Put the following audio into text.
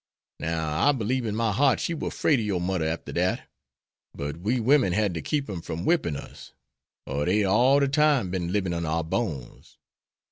Now I belieb in my heart she war 'fraid ob your mudder arter dat. But we women had ter keep 'em from whippin' us, er dey'd all de time been libin' on our bones.